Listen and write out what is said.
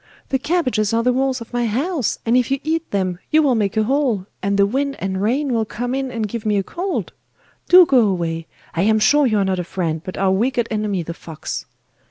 'The cabbages are the walls of my house, and if you eat them you will make a hole, and the wind and rain will come in and give me a cold. Do go away; I am sure you are not a friend, but our wicked enemy the fox.